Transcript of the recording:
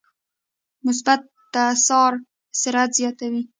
مثبت تسارع سرعت زیاتوي.